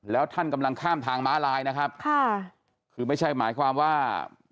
แล้วท่านกำลังข้ามทางม้าลายนะครับค่ะคือไม่ใช่หมายความว่า